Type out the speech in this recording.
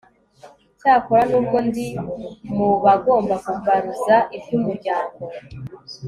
cyakora n'ubwo ndi mu bagomba kugaruza iby'umuryango